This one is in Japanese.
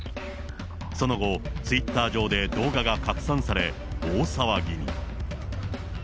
その後、ツイッター上で動画が拡散され、大騒ぎに。